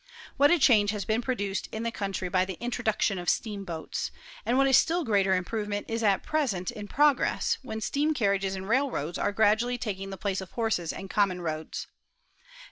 What a change has been produced in the country by the introduc tion of steani hoals ! and what a still greater im provement is at present in progress, when steam carriages and railroads are gradually taking the place of horses and common roads.